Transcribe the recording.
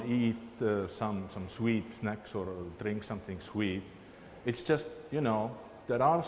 kita masih ingin makan beberapa makanan manis atau minum sesuatu yang manis